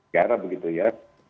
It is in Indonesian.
gara begitu ya